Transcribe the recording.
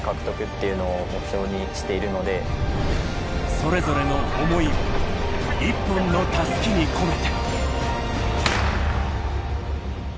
それぞれの想いを一本の襷に込めて。